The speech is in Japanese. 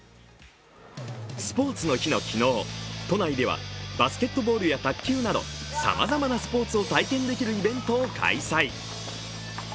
スポーツの日の昨日都内ではバスケットボールや卓球などさまざまなスポーツを体験できるイベントを開催。